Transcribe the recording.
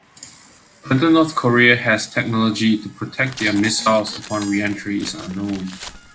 Whether North Korea has technology to protect their missiles upon re-entry is unknown.